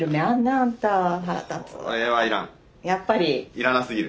いらなすぎる。